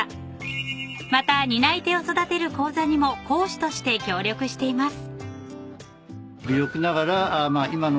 ［また担い手を育てる講座にも講師として協力しています］